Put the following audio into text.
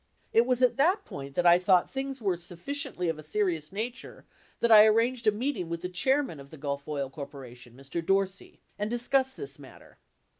It was at that point that I thought things were sufficiently of a serious nature that I arranged a meeting with the chairman of the Gulf Oil Co., Mr. Dorsey, and discussed this matter.